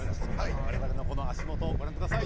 我々のこの足元をご覧下さい。